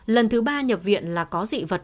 lần thứ ba nhập viện là có dị vật